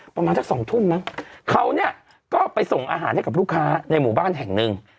ประมาณจาก๒ทุนมั้งก็ไปส่งอาหารให้กับลูกค้าในหมู่บ้านแห่งหนึ่ง